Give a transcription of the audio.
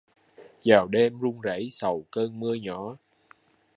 Vào đêm run rẩy sầu cơn mưa nhỏ